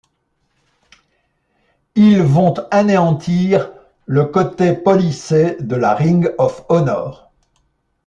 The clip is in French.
Ils vont anéantir le côté policé de la Ring of Honor.